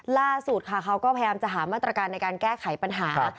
ล่าสุดค่ะเขาก็พยายามจะหามาตรการในการแก้ไขปัญหา